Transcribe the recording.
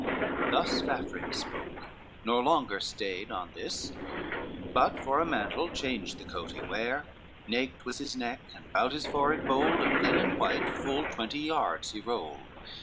Thus Vafrine spoke, nor longer stayed on this, But for a mantle changed the coat he ware, Naked was his neck, and bout his forehead bold, Of linen white full twenty yards he rolled.